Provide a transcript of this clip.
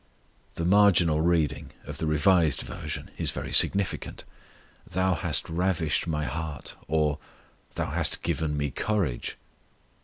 The marginal reading of the Revised Version is very significant: "Thou hast ravished My heart," or "Thou hast given me courage."